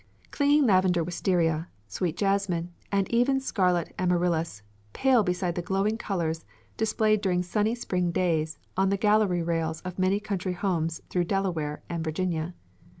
Clinging lavender wisteria, sweet jasmine, and even scarlet amaryllis pale beside the glowing colours displayed during sunny spring days on the gallery rails of many country homes through Delaware and Virginia.